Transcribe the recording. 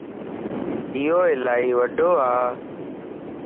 ايو الائي وڊو ا